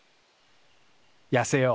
やせよう。